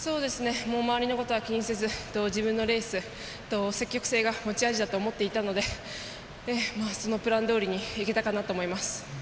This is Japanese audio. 周りのことは気にせず、自分のレース積極性が持ち味だと思っていたのでそのプランどおりにいけたかなと思います。